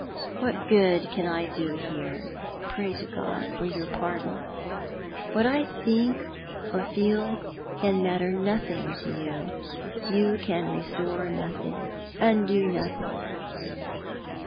What good can I do here ? Pray to God for pardon. What I think or feel can matter nothing to you. You can restore nothing — undo nothing."